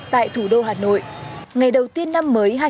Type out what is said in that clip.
tại thủ đô hà nội ngày đầu tiên năm mới hai nghìn một mươi bảy